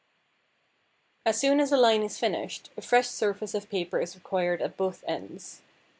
As soon as a line is finished a fresh surface of paper is required at both ends.